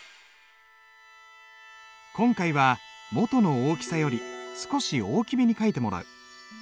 今回は元の大きさより少し大きめに書いてもらう。